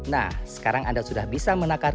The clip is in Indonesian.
nah sekarang anda sudah bisa menakar